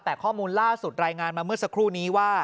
แต่ข้อมูลล่าสุดรายงานมาเมื่อสักครู่นี้ว่า